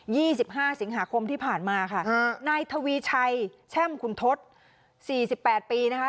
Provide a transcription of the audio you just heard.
สิบห้าสิงหาคมที่ผ่านมาค่ะฮะนายทวีชัยแช่มคุณทศสี่สิบแปดปีนะคะ